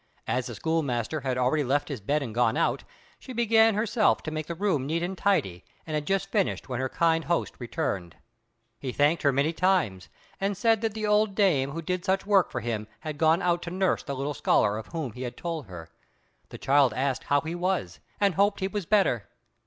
As the schoolmaster had already left his bed and gone out, she began herself to make the room neat and tidy, and had just finished when her kind host returned. He thanked her many times, and said that the old dame who did such work for him had gone out to nurse the little scholar of whom he had told her. The child asked how he was, and hoped he was better.